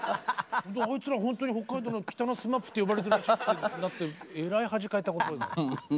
あいつら本当に北海道の北のＳＭＡＰって呼ばれてるらしいってなってえらい恥かいたことある。